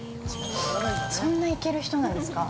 ◆そんないける人なんですか。